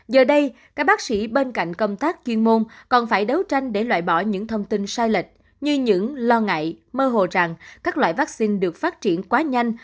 giờ đây các bác sĩ bên cạnh công tác chuyên môn còn phải đấu tranh để loại bỏ những thông tin sai lệch như những lo ngại mơ hồ rằng các loại vaccine được phát triển quá nhanh